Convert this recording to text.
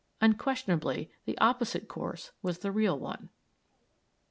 Unquestionably the opposite course was the real one.